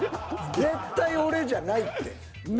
絶対俺じゃないって。